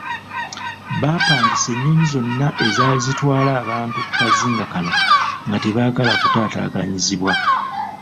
Baapangisa ennyonyi zonna ezaali zitwala abantu ku kazinga kano nga tebaagala kutaataaganyizibwa.